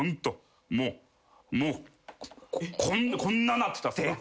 もうもうこんななってたっすな。